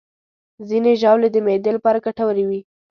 ځینې ژاولې د معدې لپاره ګټورې وي.